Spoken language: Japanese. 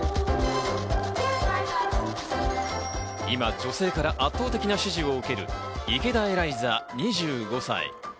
今、女性から圧倒的な支持を受ける池田エライザ２５歳。